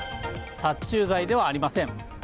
殺虫剤ではありません。